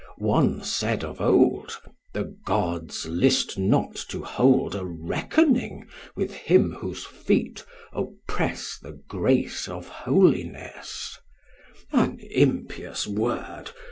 One said of old 'The Gods list not to hold A reckoning with him whose feet oppress The grace of holiness' An impious word!